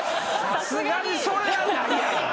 さすがにそれはないやろ。